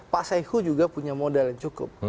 pak saiku juga punya modal yang cukup